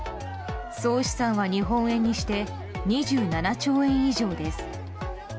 総資産は日本円にして２７兆円以上です。